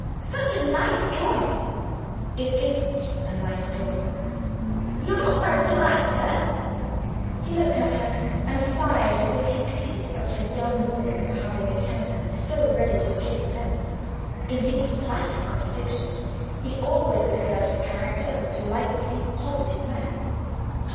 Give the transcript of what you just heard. "Such a nice drawing." "It isn't a nice drawing." "You're not very polite, sir." He looked at her and sighed as if he pitied so young a woman for having a temper so ready to take offense. In his flattest contradictions he always preserved the character of a politely positive man.